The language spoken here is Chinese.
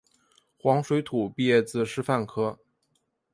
黄土水毕业自师范科